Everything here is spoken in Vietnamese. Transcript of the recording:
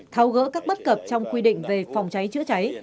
tháo gỡ các bất cập trong quy định về phòng cháy chữa cháy